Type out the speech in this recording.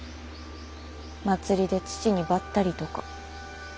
祭りで父にばったりとか。